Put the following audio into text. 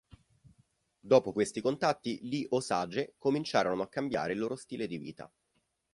Dopo questi contatti gli Osage cominciarono a cambiare il loro stile di vita.